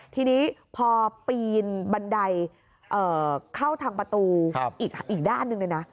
ทีนี้พอปีนบันไดเข้าทางประตูอีกด้านหนึ่งเลยนะ